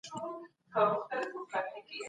زیرمې باید د خلګو د هوساینې لپاره وکارول سي.